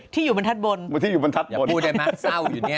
ที่อยู่บนทัศน์บนอยากพูดได้มั้ยเศร้าอยู่เนี่ย